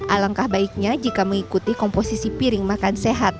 alangkah baiknya jika mengikuti komposisi piring makan sehat